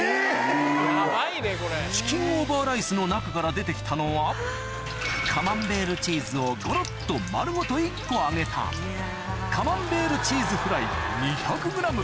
チキンオーバーライスの中から出て来たのはカマンベールチーズをごろっと丸ごと１個揚げたカマンベールチーズフライ２００ｇ